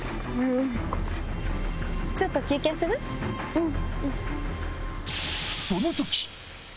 うん。